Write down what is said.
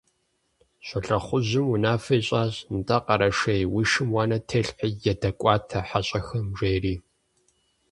Щолэхъужьым унафэ ищӀащ: «НтӀэ, Къэрэшей, уи шым уанэ телъхьи ядэкӀуатэ хьэщӀэхэм», – жери.